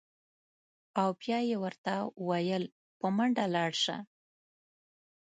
او بیا یې ورته ویل: په منډه لاړ شه.